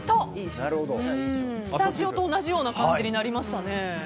スタジオと同じような感じになりましたね。